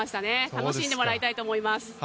楽しんでもらいたいと思います。